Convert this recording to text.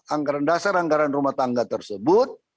anggaran dasar anggaran rumah tangga tersebut